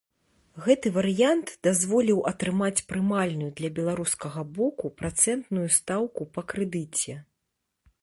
Гэты варыянт дазволіў атрымаць прымальную для беларускага боку працэнтную стаўку па крэдыце.